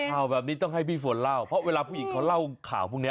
ข่าวแบบนี้ต้องให้พี่ฝนเล่าเพราะเวลาผู้หญิงเขาเล่าข่าวพวกนี้